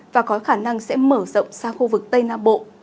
và có khả năng sẽ mở rộng sang khu vực tây nam bộ